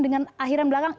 dengan akhiran belakang